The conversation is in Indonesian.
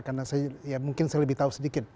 karena saya ya mungkin saya lebih tahu sedikit